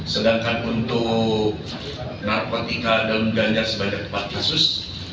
sedangkan untuk narkotika daun ganja sebanyak empat kasus